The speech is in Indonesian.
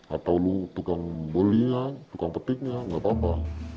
atau lu tukang bolinya tukang petiknya gak apa apa